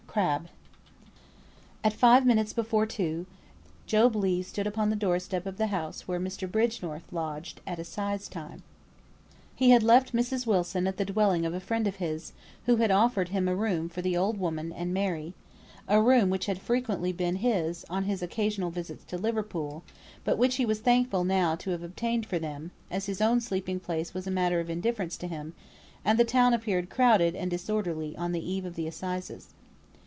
CRABBE. At five minutes before two, Job Legh stood upon the door step of the house where Mr. Bridgenorth lodged at Assize time. He had left Mrs. Wilson at the dwelling of a friend of his, who had offered him a room for the old woman and Mary: a room which had frequently been his, on his occasional visits to Liverpool, but which he was thankful now to have obtained for them, as his own sleeping place was a matter of indifference to him, and the town appeared crowded and disorderly on the eve of the Assizes.